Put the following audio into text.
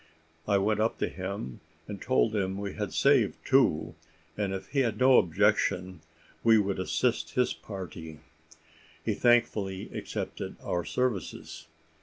I went up to him, and told him we had saved two, and if he had no objection, would assist his party. He thankfully accepted our services.